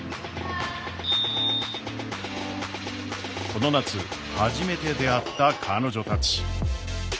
この夏初めて出会った彼女たち。